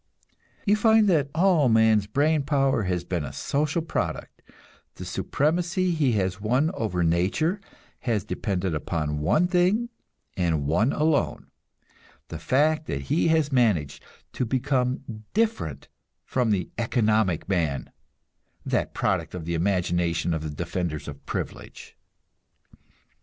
You find that all man's brain power has been a social product; the supremacy he has won over nature has depended upon one thing and one alone the fact that he has managed to become different from the "economic man," that product of the imagination of the defenders of privilege.